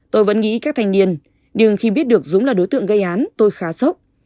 tôi vẫn nghĩ các thanh niên nhưng khi biết được dũng là đối tượng gây án tôi khá sốc